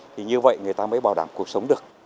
thì như vậy người ta mới bảo đảm cuộc sống được